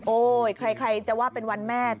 โอ้โฮแครกไรจะว่าเป็นวันแม่